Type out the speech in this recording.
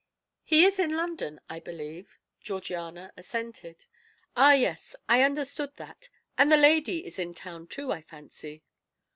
"He is in London, I believe?" Georgiana assented. "Ah, yes, I understood that; and the lady is in town, too, I fancy."